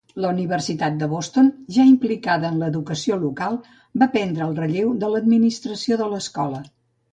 La Universitat de Boston, ja implicada en l'educació local, va prendre el relleu de l'administració de l'escola.